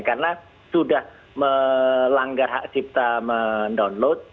karena sudah melanggar hak sifat mendownload